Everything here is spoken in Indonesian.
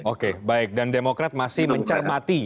oke baik dan demokrat masih mencermati